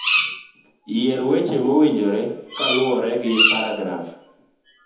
Yier weche mowinjore kaluwore gi paragraf